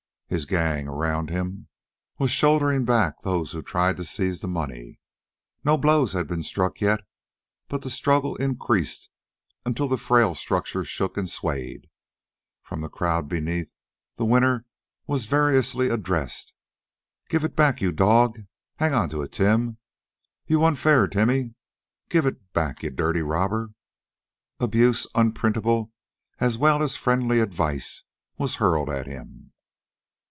His gang, around him, was shouldering back those who tried to seize the money. No blows had been struck yet, but the struggle increased until the frail structure shook and swayed. From the crowd beneath the winner was variously addressed: "Give it back, you dog!" "Hang on to it, Tim!" "You won fair, Timmy!" "Give it back, you dirty robber!" Abuse unprintable as well as friendly advice was hurled at him.